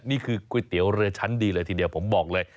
นี่คือก๋วยเตี๋ยวเรือชั้นดีเลยทีเดียวผมบอกเลย